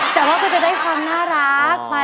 แต่ว่าก็จะได้ความน่ารัก